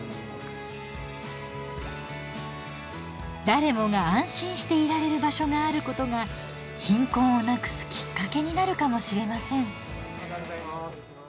誰もが安心していられる場所があることが貧困をなくすきっかけになるかもしれません。